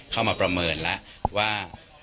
เข้ามาประเมินแล้วว่า